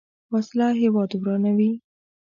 وسله هیواد ورانوي